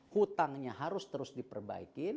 hutangnya harus terus diperbaikin